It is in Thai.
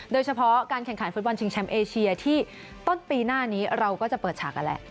โดยเฉพาะการแข่งขันฟุตบอลชิงแชมป์เอเชียที่ต้นปีหน้านี้เราก็จะเปิดฉากกันแหละ